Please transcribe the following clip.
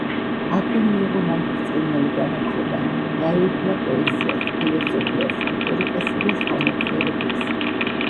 აქვე მიიღო მან ბრწყინვალე განათლება: დაეუფლა პოეზიას, ფილოსოფიას, რიტორიკასა და სხვა მეცნიერებებს.